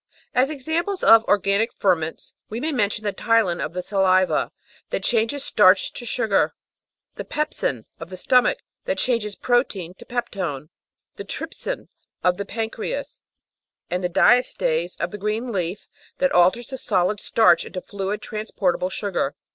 As examples of organic ferments we may mention the ptyalin of the saliva that changes starch into sugar, the pepsin of the stomach that changes protein into peptone, the trypsin of the pancreas, and the diastase of the green leaf that alters the solid starch into fluid transportable sugar.